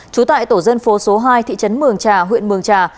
trú tại tổ dân phố số hai thị trấn mường trà huyện mường trà